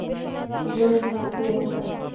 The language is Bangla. নীরস মূর্তি একটা।